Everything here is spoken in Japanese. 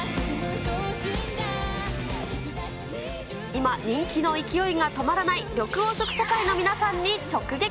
今、人気の勢いが止まらない緑黄色社会の皆さんに直撃。